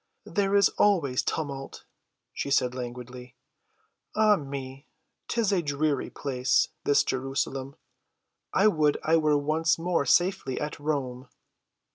"There is always tumult," she said languidly. "Ah me, 'tis a dreary place—this Jerusalem. I would I were once more safely at Rome."